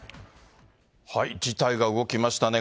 事態が動きましたね。